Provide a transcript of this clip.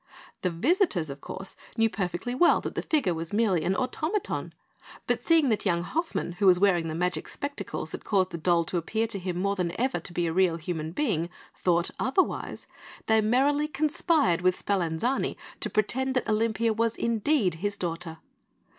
The visitors, of course, knew perfectly well that the figure was merely an automaton; but seeing that young Hoffmann who was wearing the magic spectacles that caused the doll to appear to him more than ever to be a real human being thought otherwise, they merrily conspired with Spallanzani to pretend that Olympia was indeed his daughter.